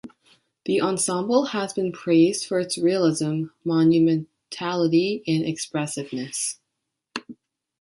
The ensemble has been praised for its realism, monumentality and expressiveness.